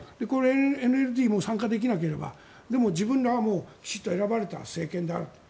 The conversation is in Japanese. ＮＬＤも参加できなければでも自分らはもうきちんと選ばれた政権だと。